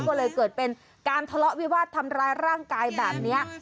ก็เลยเกิดเป็นการทะเลาะวิวาสทำร้ายร่างกายแบบนี้